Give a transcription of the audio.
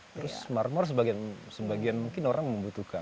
terus marmor sebagian mungkin orang membutuhkan